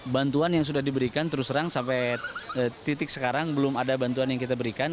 bantuan yang sudah diberikan terus terang sampai titik sekarang belum ada bantuan yang kita berikan